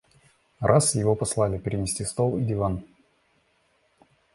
Раз его послали перенести стол и диван.